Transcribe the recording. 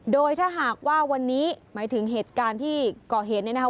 โดยถ้าหากว่าวันนี้หมายถึงเหตุการณ์ที่ก่อเหตุเนี่ยนะคะ